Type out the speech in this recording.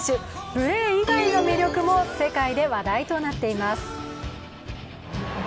プレー以外の魅力も世界で話題となっています。